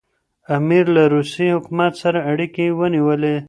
امیر له روسي حکومت سره اړیکي ونیولې.